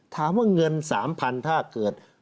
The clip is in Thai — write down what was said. ถามว่าเงิน๓๐๐๐ถ้าเกิด